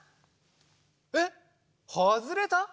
えっはずれた？